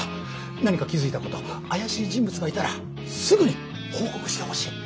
何か気付いたこと怪しい人物がいたらすぐに報告してほしい。